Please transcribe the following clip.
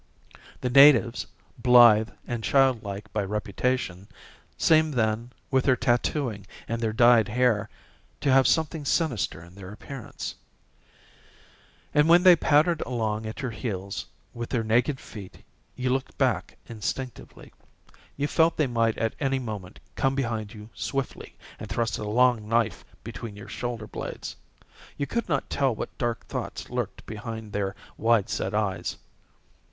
The natives, blithe and childlike by reputation, seemed then, with their tattooing and their dyed hair, to have something sinister in their appearance; and when they pattered along at your heels with their naked feet you looked back instinctively. You felt they might at any moment come behind you swiftly and thrust a long knife between your shoulder blades. You could not tell what dark thoughts lurked behind their wide set eyes.